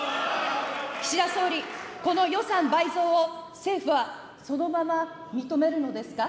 岸田総理、この予算倍増を政府はそのまま認めるのですか。